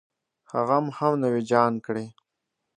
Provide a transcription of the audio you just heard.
هغه مو هم نوي جان کړې.